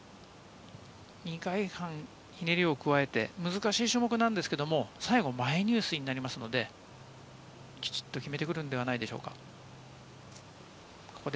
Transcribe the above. ２回半ひねりを加えて、難しい新種目なんですけれども、前入水になりますので、きちんと決めてくるのではないでしょうか。